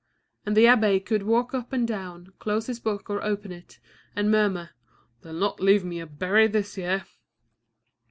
And the abbé could walk up and down, close his book or open it, and murmur: "They'll not leave me a berry this year!"